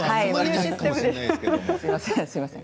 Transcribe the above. すみません。